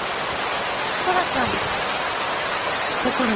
トラちゃん。